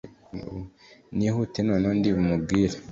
nihute noneho ndi bumubwire